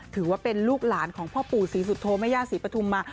ถือว่าเป็นลูกหลานของพ่อปู่ศรีสุโธแม่ย่าศรีปฐุมมา